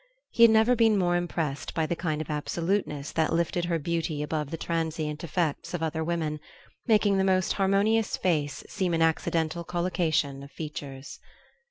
He had never been more impressed by the kind of absoluteness that lifted her beauty above the transient effects of other women, making the most harmonious face seem an accidental collocation of features.